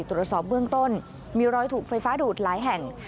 ตรวจสอบเบื้องต้นมีรอยถูกไฟฟ้าดูดหลายแห่ง